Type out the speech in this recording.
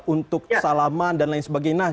untuk salaman dan lain sebagainya